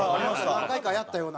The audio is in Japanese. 何回かやったような。